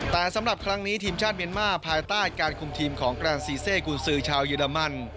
แต่สำหรับครั้งนี้ทีมชาติเมียนมาร์ภายใต้การคุมทีมของแกรนซีเซกุญซือชาวเยอรมัน